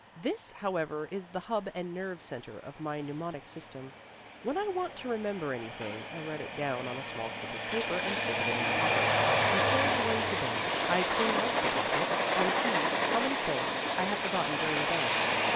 This, however, is the hub and nerve center of my mnemonic system. When I want to remember anything I write it down on a small slip of paper and stick it in that pocket. Before going to bed I clean out the pocket and see how many things I have forgotten during the day.